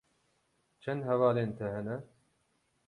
Çend hevalên te hene?